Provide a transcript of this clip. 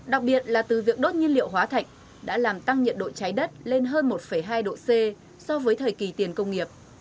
đặc biệt là từ việc đốt nhiên liệu hóa thạch đã làm tăng nhiệt độ trái đất lên hơn một hai độ c so với thời kỳ tiền công nghiệp